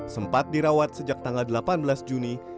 sempat dirawat sejak tanggal delapan belas juni